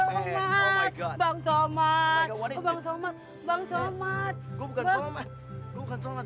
eh bilangin gua bukan somad